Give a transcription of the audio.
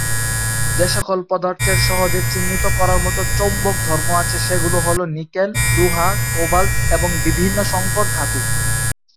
যেসকল পদার্থের সহজে চিহ্নিত করার মত চৌম্বক ধর্ম আছে সেগুলো হল নিকেল, লোহা, কোবাল্ট এবং বিভিন্ন সংকর ধাতু।